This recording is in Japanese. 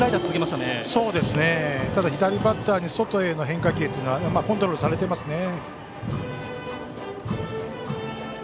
ただ、左バッターの外への変化球というのはコントロールされていますね。